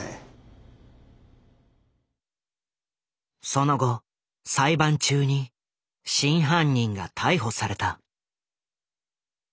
その後裁判中に真犯人が逮捕された。